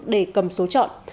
để cầm số chọn